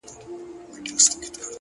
پوهه د تیارو افکارو څراغ دی.